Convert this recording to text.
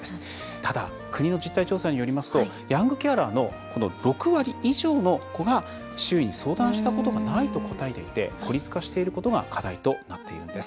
ただ、国の実態調査によりますとヤングケアラーの６割以上の子が周囲に相談したことがないと答えていて孤立化していることが課題となっているんです。